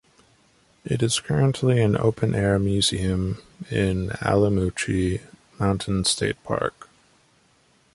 It is currently an open-air museum in Allamuchy Mountain State Park.